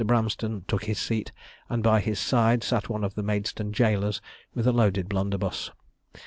Bramston took his seat, and by his side sat one of the Maidstone jailors with a loaded blunderbuss.